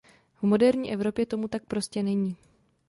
V moderní Evropě tomu tak prostě není.